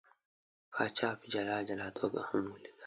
پاچا په جلا جلا توګه هم ولیدل.